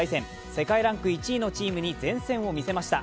世界ランク１位のチームに善戦を見せました。